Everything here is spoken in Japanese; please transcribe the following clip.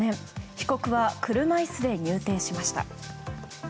被告は車椅子で入廷しました。